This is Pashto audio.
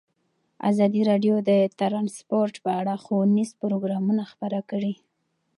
ازادي راډیو د ترانسپورټ په اړه ښوونیز پروګرامونه خپاره کړي.